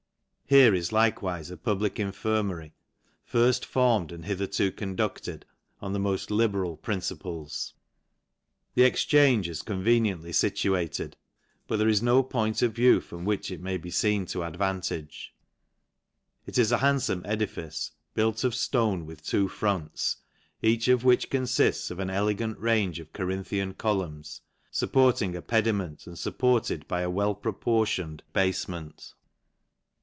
Here is likewife a public infirmar' firft formed and hitherto conducted on the moft ll beral principles. The Exchange is conveniently fituated, but the 1 is no point of view, from which it may be ktn advantage. It is a haridfome edifice, built of {fori' with two fronts; each of which confift of art ell gant range of Corinthian columns, fupporting a pe<: ment, and fupported by a well proportioned ruf bafement.